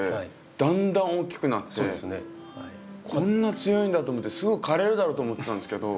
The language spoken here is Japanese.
だんだん大きくなってこんな強いんだと思ってすぐ枯れるだろうと思ってたんですけど